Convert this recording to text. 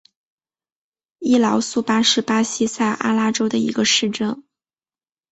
伊劳苏巴是巴西塞阿拉州的一个市镇。